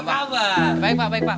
baik pak baik pak baik pak